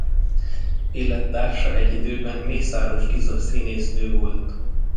Élettársa egy időben Mészáros Giza színésznő volt.